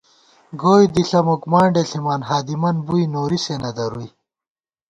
گوئے دِݪہ مُک مانڈے ݪِمان، ہادِمن بُوئی نوری سے نہ درُوئی